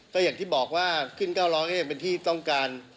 ก็อย่างที่บอกว่าขึ้น๙๐๐เป็นที่ต้องการ